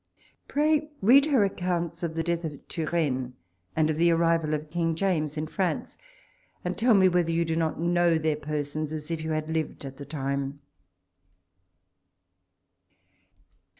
Pray read her ac counts of the death of Turenne, and of the arrival of King James in France, and tell me whether you do not know their persons as if you had lived at the time.